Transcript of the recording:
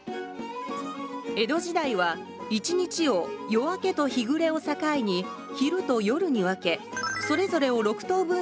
江戸時代は一日を夜明けと日暮れを境に昼と夜に分けそれぞれを６等分した時間が使われていました。